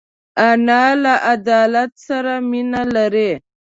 انا له عدالت سره مینه لري